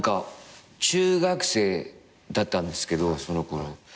中学生だったんですけどそのころ。